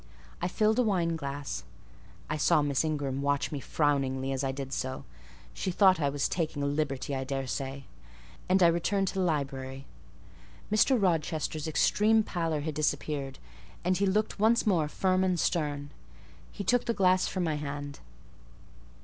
I filled a wine glass (I saw Miss Ingram watch me frowningly as I did so: she thought I was taking a liberty, I daresay), and I returned to the library. Mr. Rochester's extreme pallor had disappeared, and he looked once more firm and stern. He took the glass from my hand.